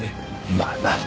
まあな。